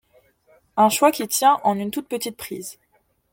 Un choix qui tient en une toute petite prise.